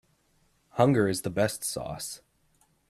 Hunger is the best sauce.